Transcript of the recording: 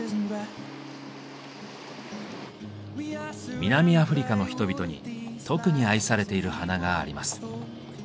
南アフリカの人々に特に愛されている花があります。